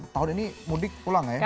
tahun ini mudik pulang ya